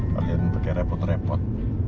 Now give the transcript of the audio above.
kalian pakai repot repot